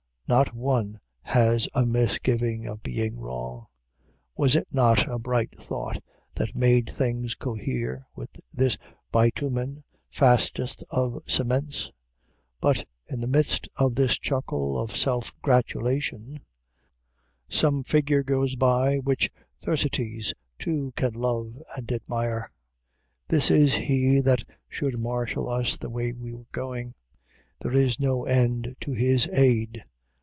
Not one has a misgiving of being wrong. Was it not a bright thought that made things cohere with this bitumen, fastest of cements? But, in the midst of this chuckle of self gratulation, some figure goes by which Thersites too can love and admire. This is he that should marshal us the way we were going. There is no end to his aid.